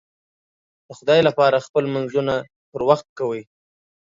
د خدای لپاره خپل لمونځونه پر وخت کوئ